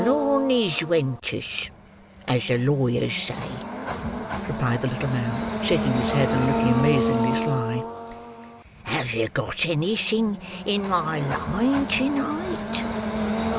"Non istwentus, as the lawyers say," replied the little man, shaking his head, and looking amazingly sly. "Have you got anything in my line to night?"